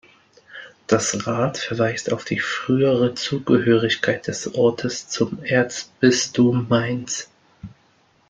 Das Rad verweist auf die frühere Zugehörigkeit des Ortes zum Erzbistum Mainz.